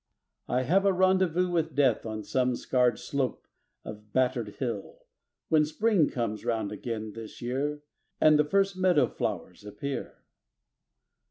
I have a rendezvous with Death On some scarred slope of battered hill, When Spring comes round again this year And the first meadow flowers appear.